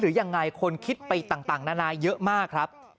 ยังไงคนคิดไปต่างนานาเยอะมากครับ